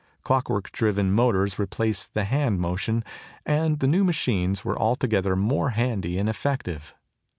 Clockwork driven motors replaced the hand motion, and the new machines were altogether more handy and effective.